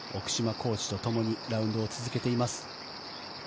コーチとともにラウンドを続けています。